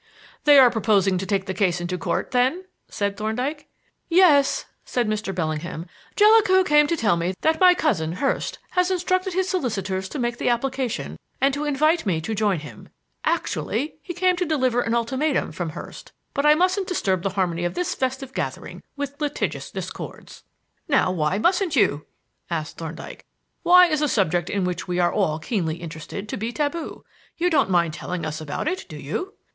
"They are proposing to take the case into Court, then?" said Thorndyke. "Yes," said Mr. Bellingham. "Jellicoe came to tell me that my cousin, Hurst, has instructed his solicitors to make the application and to invite me to join him. Actually he came to deliver an ultimatum from Hurst but I mustn't disturb the harmony of this festive gathering with litigious discords." "Now, why mustn't you?" asked Thorndyke. "Why is a subject in which we are all keenly interested to be taboo? You don't mind telling us about it, do you?"